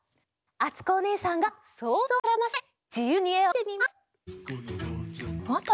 あつこおねえさんがそうぞうをふくらませてじゆうにえをかいてみます！